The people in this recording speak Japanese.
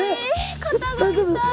肩が痛い！